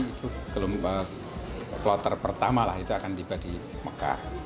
itu kloter pertama lah itu akan tiba di mekah